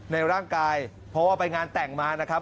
ในร่างกายเพราะว่าไปงานแต่งมานะครับ